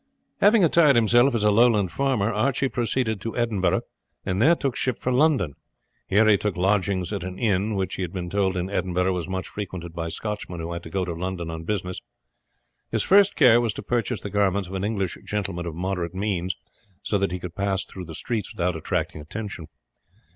Having attired himself as a lowland farmer, Archie proceeded to Edinburgh, and there took ship for London; here he took lodgings at an inn, which he had been told in Edinburgh was much frequented by Scotchmen who had to go to London on business. His first care was to purchase the garments of an English gentleman of moderate means, so that he could pass through the streets without attracting attention.